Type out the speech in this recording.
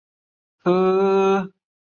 不可多得的景观城市